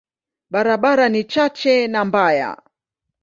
Barabara ni chache na mbaya.